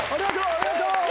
ありがとう！